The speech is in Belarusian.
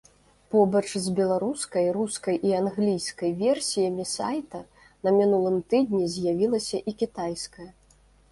Побач з беларускай, рускай і англійскай версіямі сайта на мінулым тыдні з'явілася і кітайская.